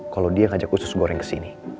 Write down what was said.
kalo dia ngajak usus goreng kesini